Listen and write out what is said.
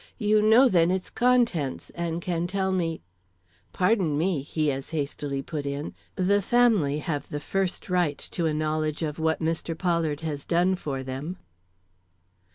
"You know, then, its contents, and can tell me " "Pardon me," he as hastily put in, "the family have the first right to a knowledge of what Mr. Pollard has done for them."